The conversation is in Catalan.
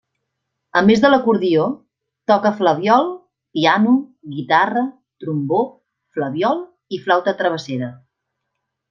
A més de l'acordió, toca flabiol, piano, guitarra, trombó, flabiol i flauta travessera.